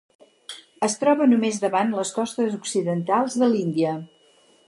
Es troba només davant les costes occidentals de l'Índia.